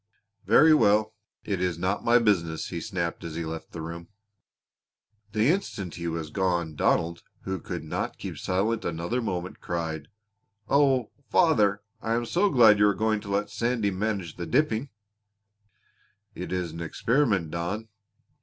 "Very well. It is not my business," he snapped as he left the room. The instant he was gone Donald, who could not keep silent another moment, cried: "Oh, father! I am so glad you are going to let Sandy manage the dipping!" "It is an experiment, Don.